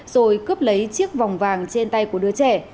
rồi cướp lấy chiếc vòng vàng trên tay của đứa trẻ